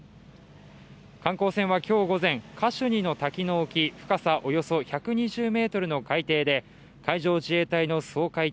観光船は今日午前、カシュニの滝の沖、深さおよそ１２０ｍの海底で海上自衛隊の掃海艇